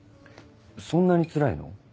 そんなにつらいの？